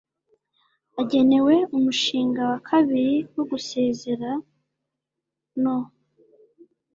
agenewe umushinga wa kabiri wo gusezerera no